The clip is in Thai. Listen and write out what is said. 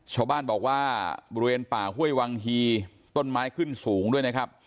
ชาวบ้านบอกว่าบริเวณป่าห้วยวังฮีต้นไม้ขึ้นสูงด้วยนะครับ